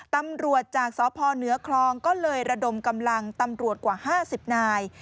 ตำรวจจากสพเหนือคลองก็เลยระดมกำลังตำรวจกว่า๕๐นาย